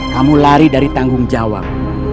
kamu lari dari tanggung jawab